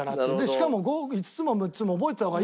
しかも５つも６つも覚えてた方がいいのかなって。